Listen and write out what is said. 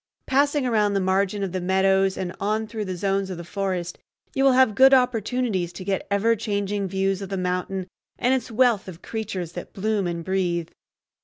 Passing around the margin of the meadows and on through the zones of the forest, you will have good opportunities to get ever changing views of the mountain and its wealth of creatures that bloom and breathe.